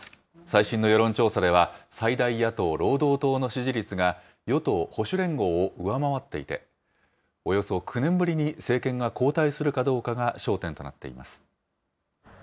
最新の世論調査では、最大野党・労働党の支持率が与党・保守連合を上回っていて、およそ９年ぶりに政権が交代するかどうかが焦点となっています。